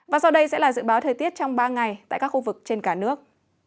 và sau đây sẽ là dự báo thời tiết trong ba ngày tại các khu vực trên cả nước